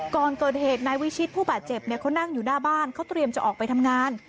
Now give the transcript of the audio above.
ก่อนเกิดเหตุนายวิชิตผู้บาดเจ็บเขานั่งอยู่หน้าบ้านเขาเตรียมจะออกไปทำงาน